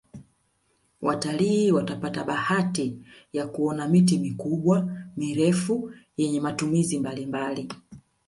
watalii watapata bahati ya kuona miti mikubwa mirefu yenye matumizi mbalimbali